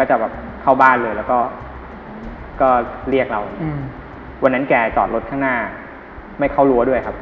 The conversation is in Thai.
ก็จะแบบเข้าบ้านเลยแล้วก็เรียกเราวันนั้นแกจอดรถข้างหน้าไม่เข้ารั้วด้วยครับ